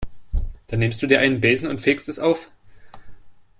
Dann nimmst du dir einen Besen und fegst es auf.